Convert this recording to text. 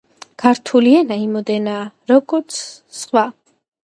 ქართული ენა იმოდენაა, როგორც ზღვა